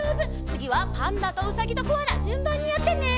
つぎはパンダとうさぎとコアラじゅんばんにやってね。